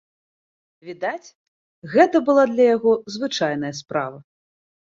Відаць, гэта была для яго звычайная справа.